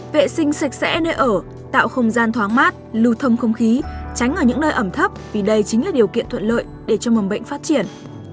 vệ sinh sạch sẽ nơi ở tạo không gian thoáng mát lưu thông không khí tránh ở những nơi ẩm thấp vì đây chính là điều kiện thuận lợi để cho mầm bệnh phát triển